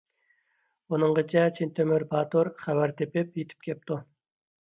ئۇنىڭغىچە چىن تۆمۈر باتۇر خەۋەر تېپىپ يېتىپ كەپتۇ.